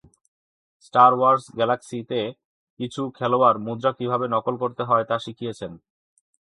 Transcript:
"Star Wars গ্যালাক্সি"তে কিছু খেলোয়াড় মুদ্রা কীভাবে নকল করতে হয় তা শিখেছিলেন।